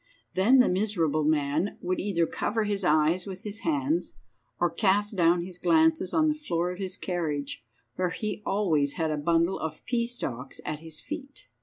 Then the miserable man would either cover his eyes with his hands, or cast down his glances on the floor of his carriage, where he always had a bundle of pea stalks at his feet.